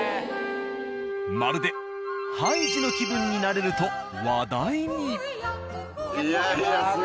まるでハイジの気分になれると話題に。